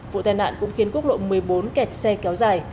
vụ tai nạn cũng khiến quốc lộ một mươi bốn kẹt xe kéo dài